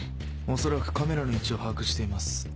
恐らくカメラの位置を把握しています。